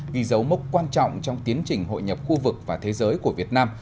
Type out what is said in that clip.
vì giấu mốc quan trọng trong tiến trình hội nhập khu vực và thế giới của việt nam